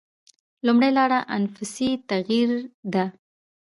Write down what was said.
لومړۍ لاره انفسي تغییر ده.